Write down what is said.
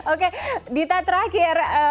oke dita terakhir